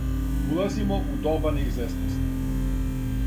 Улазимо у доба извесности.